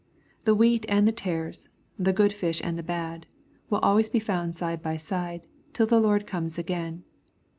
The wheat and the tares, — the good fish and the bad, — will always be found side by side, till the Lord comes again.